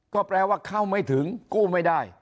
ก็แปลว่าเข้าไม่ถึงกู้ไม่ได้